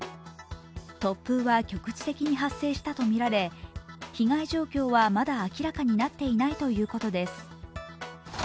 突風は局地的に発生したとみられ、被害状況は、まだ明らかになっていないということです。